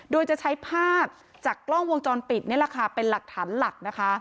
โดยจะใช้ภาพจากกล้องวงจรปิดนี่แหละค่ะเป็นหลักฐานหลักนะคะ